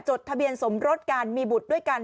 จดทะเบียนสมรสกันมีบุตรด้วยกัน